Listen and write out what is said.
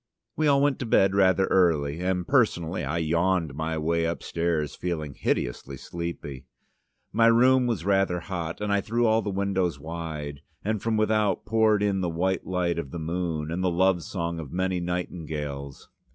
We all went to bed rather early, and personally I yawned my way upstairs, feeling hideously sleepy. My room was rather hot, and I threw all the windows wide, and from without poured in the white light of the moon, and the love song of many nightingales.